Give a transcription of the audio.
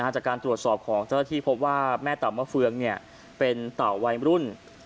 จากการตรวจสอบของเจ้าหน้าที่พบว่าแม่เต่ามะเฟืองเป็นเต่าวัยรุ่น